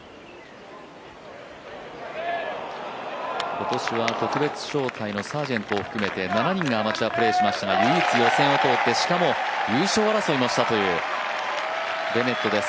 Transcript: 今年は特別招待のサージェントを含めて７人がアマチュアプレーしましたが唯一予選を通ってしかも優勝争いもしたというベネットです。